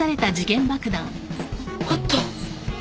あった